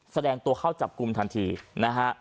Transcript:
แสดงตัวเข้าจับกลุ่มทันทีนะฮะ